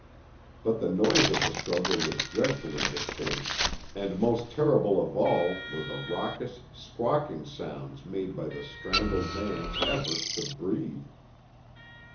But the noise of the struggle was dreadfully distinct, and most terrible of all were the raucous, squawking sounds made by the strangled man's efforts to breathe.